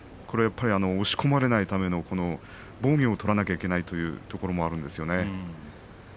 押し込まれないための防御をとらなきゃいけないということですね。